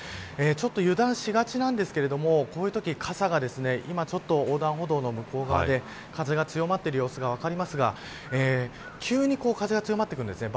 ちょっと油断しがちなんですけどこういうとき傘が今、ちょっと横断歩道の向こう側で風が強まっている様子が分かりますが急に風が強まってくるんですね。